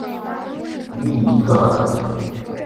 于伊特尔。